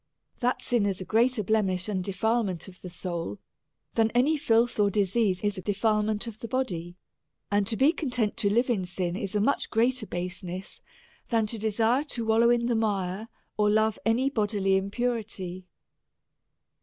That sin is a greater blemish and defilement of the soul than any filth or disease is a defilement of the body. And to be content to live in sin, is a much greater baseness, than to desire to wallow in the mire, or love any bo dily impurity.